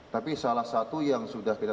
tapi salah satu yang sudah kita